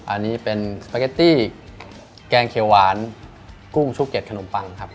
อันนี้เป็นสปาเกตตี้แกงเขียวหวานกุ้งชุกเก็ตขนมปังครับ